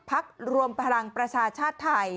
พรรษพลังประชาชตรไทย